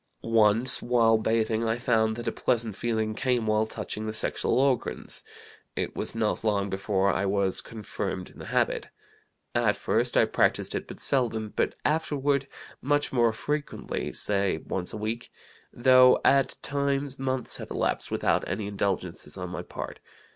Once while bathing I found that a pleasant feeling came with touching the sexual organs. It was not long before I was confirmed in the habit. At first I practised it but seldom, but afterward much more frequently (say, once a week), though at times months have elapsed without any indulgences on my part.